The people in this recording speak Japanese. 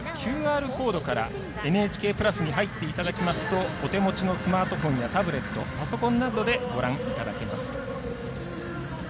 ＱＲコードからＮＨＫプラスに入っていただきますとお手持ちのスマートフォンやタブレットパソコンなどでご覧いただけます。